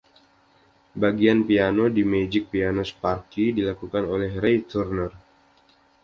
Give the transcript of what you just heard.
Bagian piano di "Magic Piano Sparky" dilakukan oleh Ray Turner.